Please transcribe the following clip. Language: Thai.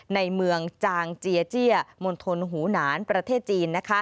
ในเมืองจางเจียเจียมณฑลหูหนานประเทศจีน